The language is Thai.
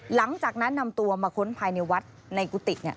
หลังจากนั้นนำตัวมาค้นภายในวัดในกุฏิ